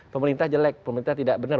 pemerintah jelek pemerintah tidak benar